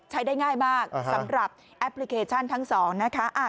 ใช้ได้ง่ายมากสำหรับแอปพลิเคชันทั้งสองนะคะ